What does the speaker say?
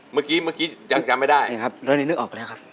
เมื่อกี้อยู่ยังจำไม่ได้ครับละเรนนี่รู้ออกแล้วครับ